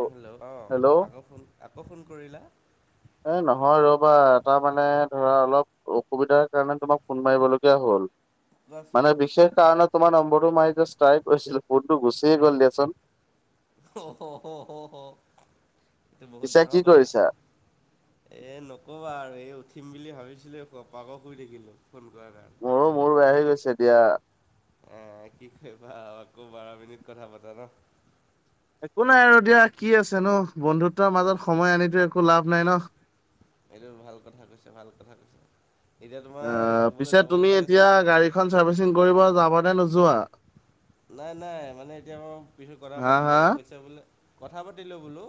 Hello অ hello আকৌ phone, আকৌ ফোন কৰিলা? এ নহয় ৰ'বা এটা মানে ধৰা অলপ অসুবিধাৰ কাৰণে তোমাক ফোন মাৰিবলগীয়া হ'ল। কোৱাচোন মানে বিশেষ কাৰণ তোমাৰ নম্বৰটো মাৰ জাষ্ট ট্ৰায় কৰিছিলোঁ ফোনতটো গুচিয়ে গ'ল দিয়াচোন। অহ হ হ হ হ এইটো বহুত পিছে কি ডাঙৰ কথা। কৰিছা? এই নক'বা আৰু এই উঠিম বুলি ভাবিছিলোঁ ঘপাঘপ শুই থাকিলোঁ ফোন কৰাৰ কাৰণে। মোৰো মোৰো আহি গৈছে দিয়া। এ কি কৰিবা আকৌ বাৰ মিনিট কথা পাতা ন। একো নাই আৰু দিয়া কি আছে ন বন্ধুত্বৰ মাজত সময় আনিতো একো লাভ নাই ন। এইটো ভাল কথা কৈছা ভাল কথা কৈছা। এতিয়া তোমাৰ ক'ৰবলৈ যাবলগীয়া আছিলনে? খন চাৰ্ভিচিং কৰিব যাবা নে নোযোৱা? নাই নাই মানে এতিয়া মই কিছু কথা হা হা পাতিলোঁ কৈছে বোলে কথা পাতিলো বোলো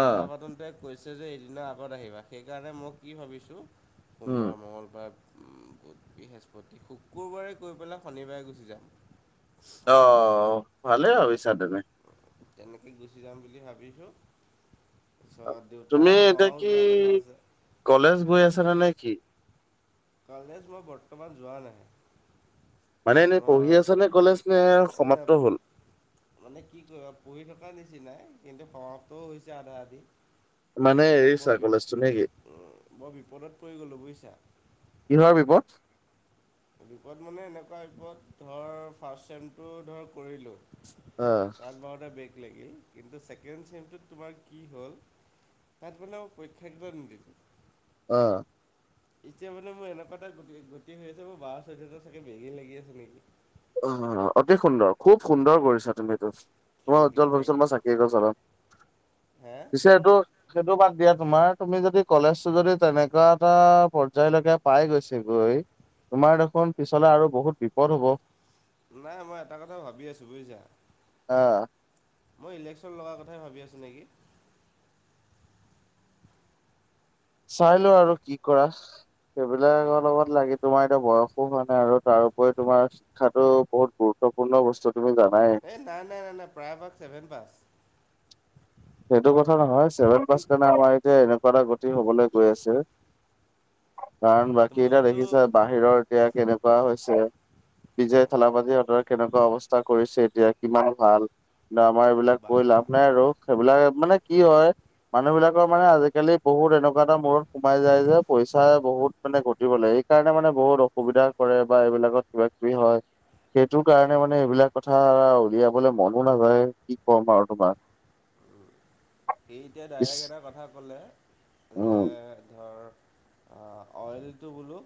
আহ পাতোঁন্তে কৈছে যে এইদিনা আগত আহিবা সেইকাৰণে মই কি ভাবিছোঁ উম সোমবাৰ মঙ্গলবাৰত বুধ বৃহস্পতি শুকুৰবাৰে কৈ পেলাই শনিবাৰে গুচি যাম। [inaudible] অ ভালে ভাবিছা তুমি। তেনেকৈ গুচি যাম বুলি ভাবিছোঁ। পিছত দেউতা তুমি আৰু এতিয়া মাও কি যোৱা কথা আছে। কলেজ গৈ আছা নে নে কি? কলেজ মই বৰ্তমান যোৱা নাই। মানে এনে পঢ়ি আছা মই নে কলেজ নে এই সমাপ্ত হল? মানে কি কয় পঢ়ি থকাৰ নিচিনাই কিন্তু সমাপ্তও হৈছে আধা আধি। মানে একদম এৰিছা বৰ বি কলেজটো নে কি? বৰ বিপদত পৰি গ'লোঁ বুইছা। কিহৰ বিপদ? বিপদ মানে এনেকুৱা বিপদ ধৰ ফাৰ্ষ্ট চেমটো ধৰ কৰিলো। অ', তাত বাৰুতে বেগ লাগিল, কিন্তু ছেকেণ্ড চেমটোত তোমাৰ কি হ'ল তাত গনেও আৰু পৰীক্ষা কিমান দিবি। অ। এতিয়া মানে মোৰ এনেকুৱা এটা গতিশি গতি হৈ আছে, মোৰ বাৰ চৈধ্যটা চাগে বেগে লাগি আছে নেকি। অ অতি সুন্দৰ খুব সুন্দৰ কৰিছা তুমি এইটো। তোমাৰ থেংক ইউ উজ্জ্বল থেংক ভৱিষ্যত মই ইউ চাকি এগজ জ্বলাম। হে পিছে এইটো সেইটো বাদ দিয়া তোমাৰ তুমি যদি কলেজতটো যদি তেনেকুৱা এটা পৰ্যায়লৈকে পাই গৈছে গৈ তোমাৰ দেখোন পিছলে আৰু বহুত বিপদ হব। নাই মই এটা কথা ভাবি আছো বুজিছা? আ। মই ইলেকচন লগাৰ কথাই ভাবি আছো নেকি? চাই লওঁ আৰু কি কৰা সেইবিলাক অলপমান লাগি তোমাৰ এতিয়া বয়সো হোৱা নাই আৰু তাৰ উপৰি তোমাৰ শিক্ষাতো বহুত গুৰুত্বপূৰ্ণ বস্তু তুমি জানাই এই নাই নাই নাই নাই প্ৰায় ভাগ ছেভেন পাছ। সেইটো কথা নহয় ছেভেন পাছ কাৰণে আমাৰ এতিয়া এনেকুৱা এটা গতি হ'বলৈ গৈ আছে কাৰণ তো বাকী এটা মইতো দেখিছা বাহিৰৰ এতিয়া কেনেকুৱা হৈছে। বিজয় অঁ থালাপতিহঁতৰ কেনেকুৱা অৱস্থা কৰিছে এতিয়া কিমান ভাল। কিন্তু আমাৰ এইবিলাক বা কৈ লাভ নাই আৰু সেইবিলাক মানে কি হয় মানুহবিলাকৰ মানে আজিকালি বহুত এনেকুৱা এটা মূৰত সোমাই যায় যে পইচা বহুত মানে ঘটিব লাইক সেই কাৰণে মানে বহুত অসুবিধা কৰে বা এইবিলাকত কিবা-কিবি হয়। সেইটো কাৰণে মানে এইবিলাক কথা উলিয়াবলে মনো নাযায় কি কম আৰু তোমাক। উম, সি এতিয়া ইচ ডাইৰেক্ট এটা কথা ক'লে যে উম ধৰ অ, অইলটো বোলো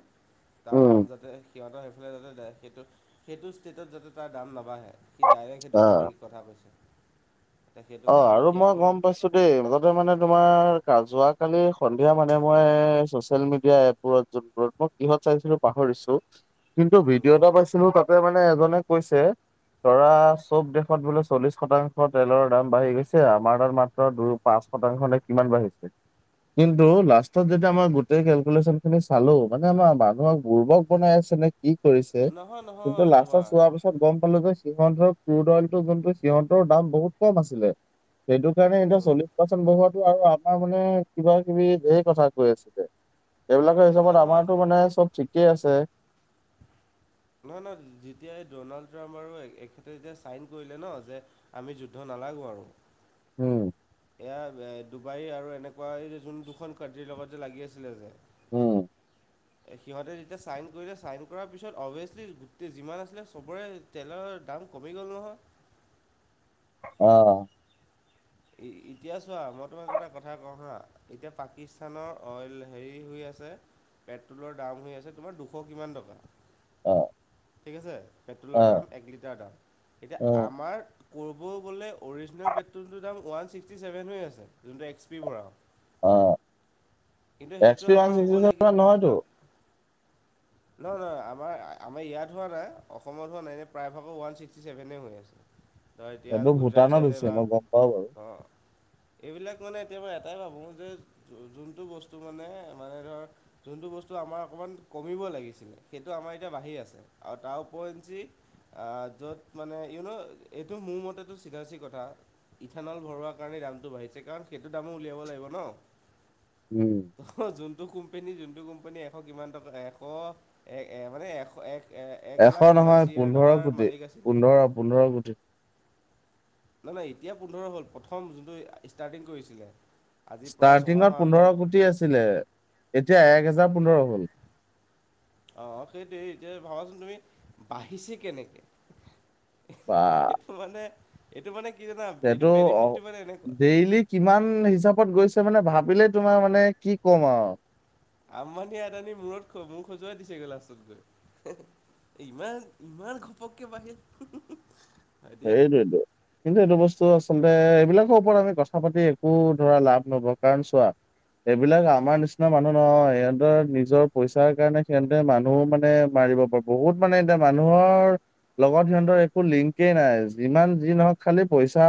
তাৰ উম দাম যাতে সিহঁতৰ সেইফালে যাতে দে সেইটো-সেইটো ষ্টেটত যাতে তাৰ দাম নাবাঢ়ে সি ডাইৰেক্ট সেইটো আহ। কালি কথা কৈছোঁ তেতিয়া অ, আৰু মই গম পাইছোঁ দেই মূলতে মানে তোমাৰ যোৱাকালি সন্ধিয়া মানে মই চচিয়েল মিডিয়া এপবোৰত [unintelligible] কিহত চাইছিলো পাহৰিছো কিন্তু ভিডিঅ' এটা পাইছিলো তাত তে মানে এজনে কৈছে ধৰা চব দেশত বোলে চল্লিশ শতাংশ তেলৰ দাম বাঢ়ি গৈছে আমাৰ তাত মাত্ৰ দুই, পাঁচ শতাংশ নে কিমান বাঢ়িছে। কিন্তু লাষ্টত যেতিয়া আমাৰ গোটেই কেলকুলেচনখিনি চালো মানে আমাৰ মানুহক বুৰৰ্বক বনাই আছে নে কি কৰিছে নহয় কিন্তু নহয় লাষ্টত তোমাৰ চোৱা পিছত তাত গম পালোঁ যে সিহঁতৰ ক্ৰুড অইলটো যোনটো সিহঁতৰ দাম বহুত কম আছিলে এইটো কাৰণে এতিয়াও চল্লিশ পাৰ্চেণ্ট বঢ়োৱাটো আৰু আমাৰ মানে কিবাকিবি ধেৰ কথা কৈ আছে গে। এইবিলাকৰ নহয় হিচাপত নহয় আমাৰতো মানে চব ঠিকেই আছে নহয়-নহয় যেতিয়া এই ড'নাল্ড ট্ৰাম্প আৰু এখেতে যেতিয়া চাইন কৰিলে ন' যে আমি যুদ্ধ নালাগো আৰু উম, এয়া ডুবাই আৰু এনেকুৱা এই যে যোন দুখন কানট্ৰীৰ লগত যে লাগি আছিলে যে উম, এ সিহঁতে যেতিয়া ছাইন কৰিলে ছাইন কৰাৰ পিছত অভিয়েচলি গোটেই যিমান আছিলে চবৰে তেলৰ দাম কমি গ'ল নহয়? অ', ই - ইতিয়া চোৱা মই তোমাক এটা কথা কওঁ হা এতিয়া পাকিস্তানৰ অইল হেৰি হৈ আছে পেট্ৰলৰ দাম হৈ আছে তোমাৰ দুশ কিমান টকা। অ', ঠিক আছে পেট্ৰলৰ অ', দাম এক লিটাৰৰ দাম এতিয়া অ', আমাক ক'ব গ'লে অৰিজনেল পেট্ৰলটোৰ দাম ওৱান ছিক্সটি চেভেন হৈ আছে যোনটো এক্স পি ভৰাও অ', কিন্তু এক্স সেইটো পি ওৱান আমাৰ হ'ব ছিক্সটি লাগি চেভেন নহয়তো, ন' নহয়-নহয় আমাৰ-আমাৰ ইয়াত হোৱা নাই অসমত হোৱা নাই এনেই প্ৰায়ভাগৰ ওৱান ছিক্সটি ছেভেনেই হৈ আছে। [inaudible] ত‌ই এতিয়া গুজৰাট ভূটানত ছাইডে হৈছে বা মই গম পাওঁ বাৰু। অ, এইবিলাক মানে এতিয়া মই এটাই ভাবোঁ যে যোনটো বস্তু মানে-মানে ধৰ যোনটো বস্তু আমাৰ অকমান কমিব লাগিছিলে সেইটো আমাৰ এতিয়া বাঢ়ি আছে। আৰু তাৰ ওপয়েঞ্চি আহ, য'ত মানে ইউনো এইটো মোৰ মতেটো চিধাচিধি কথা ইথানল ভৰোৱা কাৰণে দামটো বাঢ়িছে কাৰণ সেইটো দামো উলিয়াব লাগিব ন'? উম, অহ, যোনটো কোম্পেনী -যোনটো কোম্পেনী এশ কিমান টকা এশ এ - এ মানে এশ এক এ এক এশ লাখ কিমান চিয়াৰ টকাৰ মালিক আছিলে। অ, পোন্ধৰ কোটি। নাই -নাই এতিয়া পোন্ধৰ হ'ল প্ৰথম যোনটো ষ্টাৰ্টিং কৰিছিলে। আজি প্ৰায় ষ্টাৰ্টিঙত ছমাহৰ আগত পোন্ধৰ কোটি আছিলে এতিয়া এক হেজাৰ পোন্ধৰ হ'ল। অ, সেইটোৱেই এতিয়া ভাবাচোন তুমি বাঢ়িছে কেনেকে? বা সেইটো মানে এইটো মানে কি জানা এইটো সেইটো অ' বেনিফিটটো মানে এনেকুৱা। ডেইলি কিমান হিচাপত গৈছে মানে ভাবিলেই তোমাৰ মানে কি ক'ম আওঁ আম্বানী আদানি মূৰত মোৰ খজুৱাই দিছেগৈ লাষ্টত গৈ। এ ইমান-ইমান ঘপককে বাহিল [unintelligible] সেইটোৱেইটো কিন্তু এইটো বস্তু আচলতে এইবিলাকৰ ওপৰত আমি কথা পাতি একো ধৰা লাভ নহব কাৰণ চোৱা এইবিলাক আমাৰ নিচিনা মানুহ নহয় সিহঁতৰ নিজৰ পইচাৰ কাৰণে সিহঁতে মানুহও মানে মাৰিব পাৰে বহুত মানে এতিয়া মানুহৰ লগত সিহঁতৰ একো লিং কেই নাই যিমান যি নহওক খালি পইচা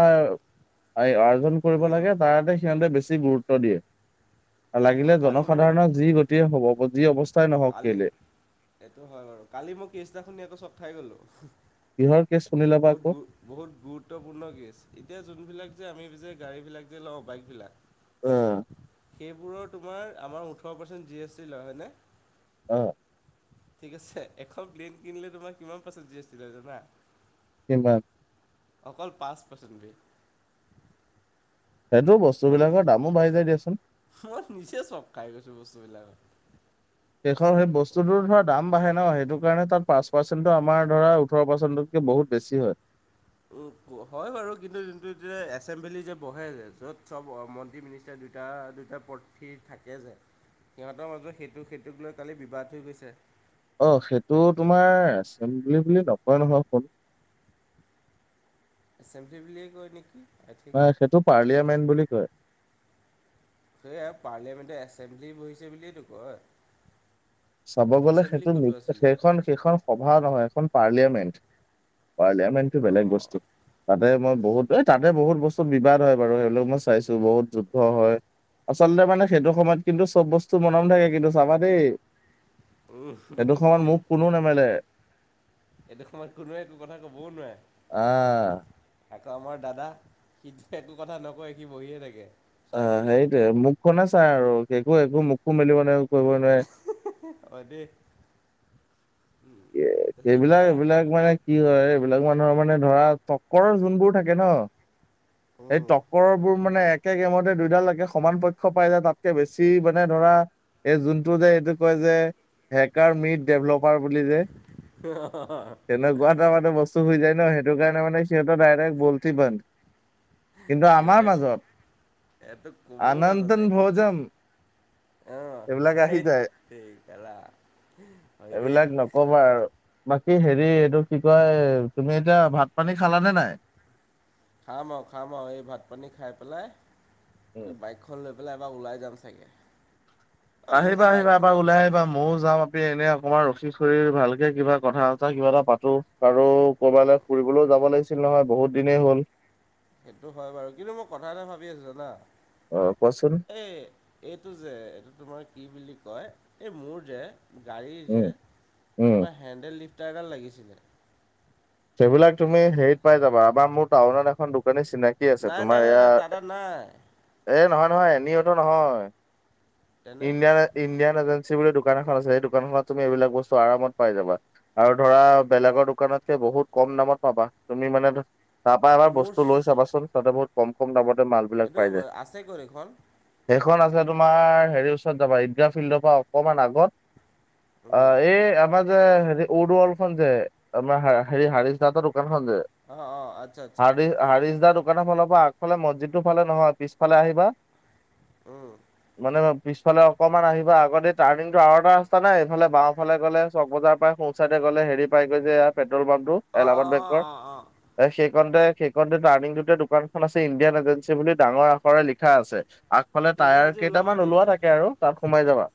এই আৰ্জন কৰিব উম লাগে তাৰতে সিহঁতে বেছি গুৰুত্ব দিয়ে আৰু আকৌ লাগিলে কালি মোক জনসাধাৰণক যি গতিয়ে হ'ব যি অৱ কালি এইটো হয় বাৰু কালি মই কেছটা এটা শুনি আকৌ চক খাই গলো কিহৰ কেছ শুনিলাবা আকৌ বহুত গুৰুত্বপূৰ্ণ কেছ এতিয়া যোনবিলাক যে আমি যে গাড়ীবিলাক যে লও বাইকবিলাক অ সেইবোৰৰ তোমাৰ আমাৰ ওঠৰ পাৰ্চেণ্ট জি এছ টি লয় হয়নে অ ঠিক আছে এখন প্লেইন কিনিলে তোমাৰ কিমান পাৰ্চেন্ট জি এছ টি লয় জানা কিমান অকল পাঁচ পাৰ্চেণ্টেজ সেইটো বস্তু বিলাকৰ দামো বাঢ়ি যায় দিয়াচোন মই নিজে চব খাই গৈছো বস্তুবিলাক সেইষৰ সেই বস্তুতো ধৰ দাম বাঢ়ে ন সেইটো কাৰণে তাত পাঁচ পাৰ্চেণ্টটো আমাৰ ধৰা ওঠৰ পাৰ্চেণ্টত বহুত বেছি হয় উ হয় বাৰু কিন্তু যোনটো এতিয়া এচেম্বিলি যে বহে য'ত চব মন্ত্ৰী মিনি এতিয়া দুটা দুটা পথিৰ থাকে যে সিহঁতৰ মাজত সেইটো সেইটোক লৈ খালি বিবাদ হৈ গৈছে অ সেইটো তোমাৰ এচেম্বলি বুলি নকয় নহয় কোন এচেমটি ব বুলিয়ে কয় নেকি আই থিংক। হয় সেইটো পাৰ্লিয়ামেণ্ট বুলি কয়। সেইয়াই পাৰ্লিয়ামেণ্টৰ এছেম্বলি বহিছে বুলিয়েতো কয়। চাব গ'লে এছেম্বলি সেইটো কোনটো আছিলে? সেইখন সেইখন সভা নহয় এখন পাৰ্লিয়ামেণ্ট। পাৰ্লিয়ামেণ্টো বেলেগ অঁ বস্তু তাতে মই বহুত এ তাতে বহুত বস্তুত বিবাদ হয় বাৰু সেইবিলাক মই চাইছো বহুত যুদ্ধ হয় আচলতে মানে সেইটো সময়ত কিন্তু চব বস্তু টো মনে মনে থাকে কিন্তু চাবা দেই উম সেইটো সময়ত মুখ কোনো নেমেলে এইটো সময়ত কোনোৱে একো কথা ক'বও আহ। নোৱাৰে আকৌ আমাৰ দাদা সি একো কথা নকয় সি বহিয়ে থাকে অ চাই পেলাই। সেইটোৱে মুখ খনেই চাই আৰু একো একো মুখো মেলিব নোৱাৰে কৰিব নোৱাৰে হু হু হা হয় দেই এ তাৰপিছত সেইবিলাক এতিয়া এইবিলাক মানে কি হয় এইবিলাক মানুহৰ মানে ধৰা চকৰৰ যোনবোৰ থাকে ন সেই টপৰবোৰ মানে একে গেমতে দুইডাল লাগে সমান পক্ষ পাই যায় তাতকে বেছি মানে ধৰা এই যোনটো যে, এইটো কয় যে হেকাৰ মিড ডেভলপাৰ বুলি যে তেনেকোৱাত আমাৰো বস্তু হৈ যায় ন সেইটো কাৰণে মানে এতিয়াতো ডাইৰেক্ট বলতি বধ কিন্তু আমাৰ সিহঁতে একো মাজত, তোক ক'বও নাজানে আনন্দন ভোজাম। অ সেইট তেৰি কেলা হয় দেই এইবিলাক নকবা আৰু বাকী হেৰি এইটো কি কয় তুমি এতিয়া ভাত পানী খালানে নাই? খাম আও খাম আও এই ভাত পানী খাই পেলাই উম। বাইক খন লৈ পেলাই এবাৰ ওলাই যাম চাগে। অ মোৰ যে আহিবা- আহিবা এপাক বাইকখনক ওলাই আহিবা ময়ো যাও এনে অকমাৰ ৰখি কৰি ভালকে কিবা কথা চথা কিবা এটা পাতো। আৰু কবালে ফুৰিবলৈও যাব লাগিছিল নহয় বহুত দিনেই হ'ল। সেইটো হয় বাৰু কিন্তু মই কথা এটা ভাবি আছো জানা। অ' কোৱাচোন। এই এইটো যে, এইটো তোমাৰ কি বুলি কয় এই মোৰ যে। গাড়ীৰ উম যে উম। তোমাৰ হেণ্ডেল লিফ্টাৰডাল লাগিছিলে। সেইবিলাক তুমি হেৰিত পাই যাবা আমাৰ মোৰ টাউনত এখন দোকানী চিনা কি আছে নাই নাই তোমাৰ নাই এয়া। নাই টাটা নাই এ, নহয় নহয় এনি অটো নহয় তেনে ইণ্ডিয়ান। ইণ্ডিয়ান এজেঞ্চি বুলি দোকান এখন আছে সেই দোকানখনত তুমি এইবিলাক বস্তু আমত পাই যাবা। আৰু ধৰা বেলেগৰ দোকানত। বহুত কম দামত পাবা তুমি মানে তাপা এবাৰ বস্তু লৈ মোৰ চাবাচোন তাতে বহুত। কম কম দামতে মাল। বিলাক এইটো পাই যায়। আছে ক'ত এইখন। সেইখন আছে তোমাৰ হেৰিৰ ওচৰত যাবা ঈগ্ৰাফিল্ডৰ পৰা অকমান আগত। উম, অ' এই আমাৰ যে হেৰি উৰুৱখন যে আমাৰ হ। হেৰি হাৰিচ দাহ দোকানখন যে। অ অ আচ্ছা আচ্ছা। হাৰিছ দাৰ দোকানৰ ফালৰ পৰা আগফালে মছজিদ ৰ ফালে নহয় পিছফালে আহিবা। উম, মানে পিছফালে অকমান আহিব আগতে। টাৰ্নিং আৰু এটা ৰাস্ত নাই এইফালে বাওঁফালে গ'লে চক বজাৰ পায় সোচাইে গ'লে হেৰি পাই গৈ যে। পেটল পাম্পটো অ', অ', এলামাদ বেংকৰ। অ', অ সেইকণতে সেইকণতে টাৰ্নিং টোত দোকানখন আছে ইণ্ডিয়ান এজেঞ্চি বুলি ডাঙৰ আখৰে লিখা আছে। আগফালে তেনে টায়াৰ আজি ওলাবা কেইটামান নেকি? ওলোৱা থাকে আৰু তাত সোমাই যাবা।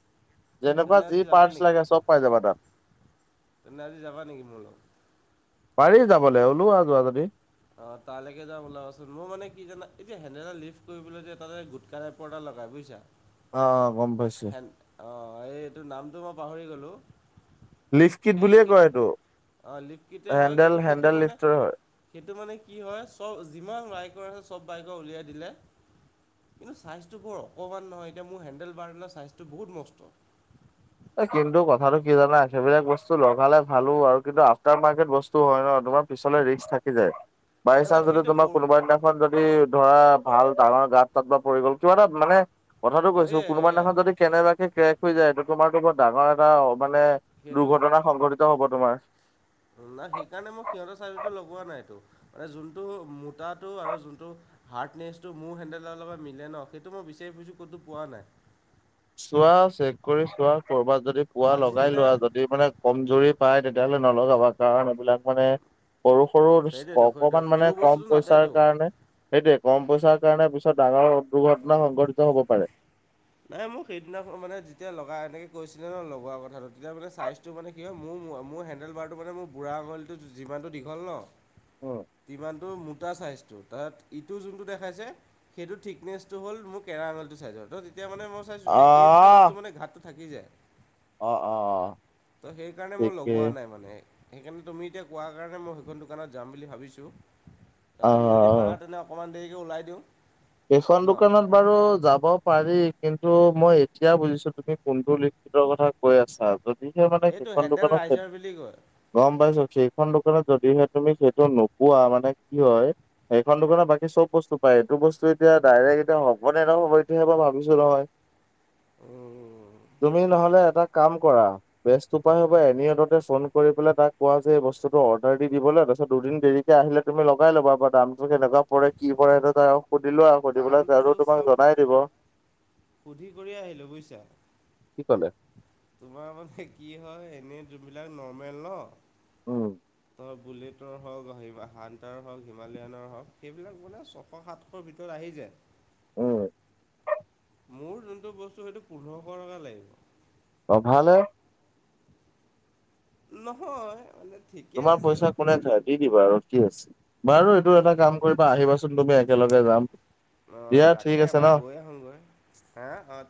যেনেকুৱা তেনে আজি যি যাবা পাৰটচ নেকি? লাগে চব পাই যাবা তাত। তেনে আজি যাবা নেকি মোৰ লগত। পাৰি যাবলে ওলোৱা যোৱা যদি। অ' তালৈকে যাম ওলাবাচোন মই মানে কি জানা, এই হেন্দেল ডাল লিভ কৰিবলৈ তাতে গোটকা পৰ্দা লগাই বুজিছা অ অ গম পাইছো হেন অ এইটো নামটো মই পাহৰি গলোঁ। লিফ কিট সেই বুলিয়ে সেই কয় এইটো অ লিফকিতে হয় হেণ্ডেল কিন্তু সেইটো হেণ্ডেল মানে। লিফ্টৰ হয়। সেইটো মানে কি হয়, চব যিমান বাইকৰ আছে চব বাইকৰ উলিয়াই দিলে। কিন্তু ছাইজটো বৰ অকণমান নহয় এতিয়া মোৰ হেণ্ডেল বাৰ্ডনৰ ছাইজটো বহুত মষ্ট। কিন্তু কথাটো কি জানা, সেইবিলাক বস্তু লগালে ভালো আৰু কিন্তু আফটাৰ মাৰ্কেট বস্ তো হয় ন তোমাৰ পিছলে ৰিস্ক থাকি যায় বাই নাই চান নাই যদি সেইটোৱে তোমাৰ সৰু কোনোবা দিনা খন যদি ধৰা ভাল ডাঙৰ গাত তাত বা পৰি গ'ল কিবা এটা মানে কথাটো কৈছো হয়ে কোনোবা সেয়ে দিনাখনত যদি কেনেবাকে কেৰেক হৈ যায় এইটো তোমাৰতো বৰ ডাঙৰ এটা মানে সেইটো দুৰ্ঘটনা সংঘটিত হব তোমাৰ নাই সেইকাৰণে মই সিহঁতৰ চাইজৰ লগোৱা নাইটো মানে যোনটো মোটাটো আৰু যোনটো হাৰ্ডনেচটো মোৰ হেণ্ডেলৰ মিলে ন সেইটো মই বিচাৰি ফছো ক'তো পোৱা নাই চোৱা চেক কৰি চোৱা কৰবাত যদি পোৱা আজি লগাই তেনে লোৱা যদি মানে কমজুৰি পাই তেতিয়াহ'লে নলগাবা কাৰণ এইবিলাক মানে সৰু সৰু সেইটোৱেতো সেইটোৱে অকমান সৰু মানে কম বস্তুটো পইচাৰ নাটেতো কাৰণে সেইটোৱে কম পইচাৰ কাৰণে পিছত ডাঙৰ দুৰ্ঘটনা সংঘটিত হব পাৰে নাই মোক সেইদিনা মানে যেতিয়া লগা এনেকে কৈছিলে ন লগোৱা কথাটো তেতিয়া মানে চাইজ টো মানে কি হয় মোৰ মোৰ হেডেল বাৰটো মানে মোৰ বুঢ়া আঙুলিটো যিমানটো দীঘল ন অ যিমানটো মোটা চাইজটো তাত ইটো যোনটো দেখাইছে সেইটো থিকনেচটো হ'ল মোক কেৰা আঙলিটো চাইজৰ ত তেতিয়া মানে মই চাইছোঁ এই দুটা আহ বস্তু মানে ঘাতটো থাকি যায় অ অ। ত' সেইকাৰণে মই ঠিকে লগোৱা নাই মানে সেইকাৰণে তুমি এতিয়া কোৱা কাৰণে মই সেইখন দোকানত যাম বুলি ভাবিছোঁ ত অ আজি যদি পাৰা তেনে অকণমান দেৰিকে ওলাই দিওঁ সেইখন ন দোকানত বাৰু যাব পাৰি কিন্তু মই এতিয়া বুজিছোঁ তুমি কোনটো লিখিতৰ কথা কৈ আছা যদিহে মানে এইটো সেইখন হেণ্ডেল দোকানত ৰাইজাৰ বুলি কয় গম পাইছো সেইখন দোকানত যদিহে তুমি সেইটো নোপোৱা মানে কি হয় এইখন দোকানত বাকী চব বস্তু পায় এইটো বস্তু এতিয়া ডাইৰেক্ট এতিয়া হব নে নহ'ব এতিয়া হে ভাবিছো নহয় তুমি নহলে এটা কাম কৰা বেচ উপায় হ'ব এনিঅদতে ফোন কৰি পেলাই তাক কোৱা যে এই বস্তুটো অৰ্ডাৰ দি দিবলৈ তাৰপিছত দুদিন দেৰি কে আহিলে তুমি লগাই ল'বা দামটো কেনেকা পৰে কি পৰে সেইটো আও সুধি লোৱা আৰু সুধিব পেলাই দামটো জাৰো তোমাক চব জনাই দিব সুধি কৰি আহিলোঁ বুজিছা কি ক'লে তোমাৰ মানে কি হয় এনেই যোনবিলাক নৰ্মেল ন উম বুলেটৰ হওক হান্তাৰ হওক হিমালয়ানৰ হওক সেইবিলাক মানে ছশ সাত শৰ ভিতৰত আহি যায় উম মোৰ যোনটো বস্তু সেইটো পোন্ধৰশ টকা লাগিব অ ভাল হে নহয় মানে ঠিকে তোমাৰ আছে পইচা কোনে থয় দি দিবা আৰু কি আছে বাৰু এইটো এটা নহয় কাম কৰিবা আহিবাচোন তুমি একেলগে যাম দিয়া অঁ তাকে ঠিক আছে এবাৰ ন গৈ আহোঙগৈ হা অ